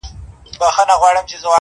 خدای ورکړئ یو سړي ته داسي زوی ؤ,